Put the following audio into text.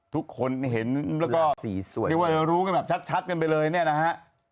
ทุกคนเห็นแล้วก็เรียกว่ารู้กันแบบชัดกันไปเลยเนี่ยนะฮะ